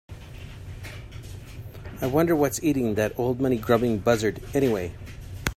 I wonder what's eating that old money grubbing buzzard anyway?